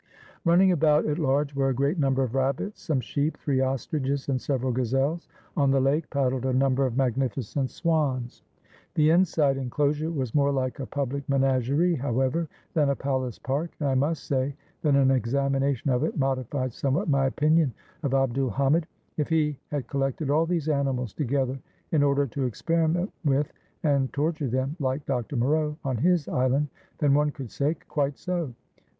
Running about at large were a great number of rabbits, some sheep, three ostriches, and several gazelles. On the lake paddled a number of magnificent swans. S40 THE HOUSE OF FEAR The inside inclosure was more like a public menagerie, however, than a palace park; and I must say that an examination of it modified somewhat my opinion of Abd ul Hamid. If he had collected all these animals together in order to experiment with and torture them, like Dr. Moreau on his island, then one could say, "Quite so.